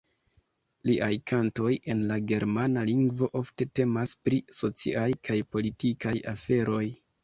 Liaj kantoj, en la germana lingvo, ofte temas pri sociaj kaj politikaj aferoj.